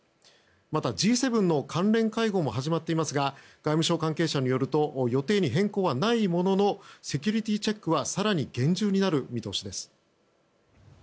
またＧ７の関連会合も始まっていますが外務省関係者によると予定に変更はないもののセキュリティーチェックは更に厳重になる見通しです。